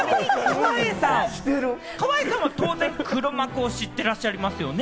川栄さんは当然、黒幕を知ってらっしゃいますね？